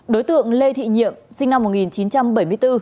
đối tượng lê thị nhiệm sinh năm một nghìn chín trăm bảy mươi bốn